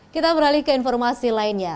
kita beralih ke informasi lainnya